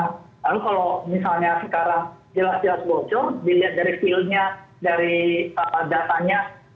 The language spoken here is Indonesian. lalu kalau misalnya sekarang jelas jelas bocor dilihat dari feelnya dari datanya